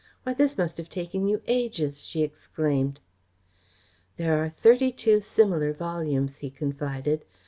"Why, this must have taken you ages," she exclaimed. "There are thirty two similar volumes," he confided.